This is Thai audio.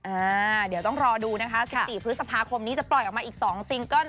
อ่าเดี๋ยวต้องรอดูนะคะ๑๔พฤษภาคมนี้จะปล่อยออกมาอีก๒ซิงเกิ้ล